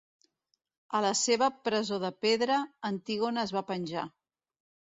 A la seva presó de pedra, Antígona es va penjar.